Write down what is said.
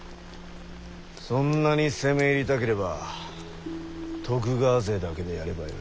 そんなに攻め入りたければ徳川勢だけでやればよい。